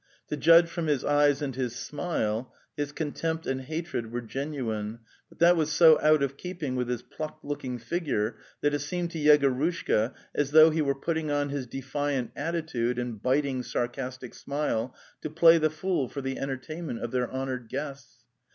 To judge from his eyes and his smile, his contempt and hatred were genuine, but that was so out of keeping with his plucked looking figure that it seemed to Yegorushka as though he were putting on his defiant attitude and biting sarcastic smile to play the fool for the enter tainment of their honoured guests.